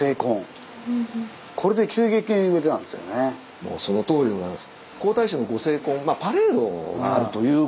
もうそのとおりでございます。